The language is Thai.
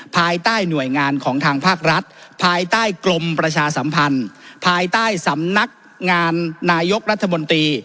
ภายใต้หน่วยงานของทางภาครัฐภายใต้กรมประชาสัมพันธ์ภายใต้สำนักงานนายกรัฐมนตรี